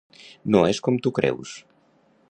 No és com tu creus.